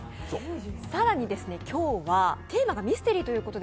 更に、今日はテーマがミステリーということで